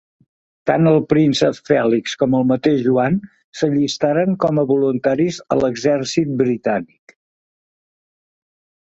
Tant el príncep Fèlix com el mateix Joan s'allistaren com a voluntaris a l'exèrcit britànic.